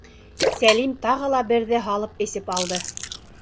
Сәлим тағы ла берҙе һалып эсеп алды.